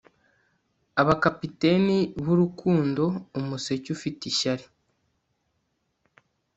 Abakapiteni burukundo umuseke ufite ishyari